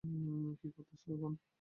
কী করতেছো এসব?